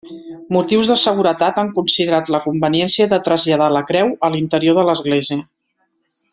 Motius de seguretat han considerat la conveniència de traslladar la creu a l'interior de l'església.